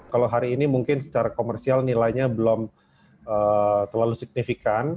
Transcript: kalau hari ini mungkin secara komersial nilainya belum terlalu signifikan